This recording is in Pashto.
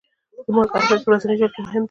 د مالګو اهمیت په ورځني ژوند کې مهم دی.